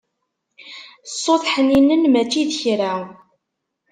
Ṣṣut ḥninen mačči d kra.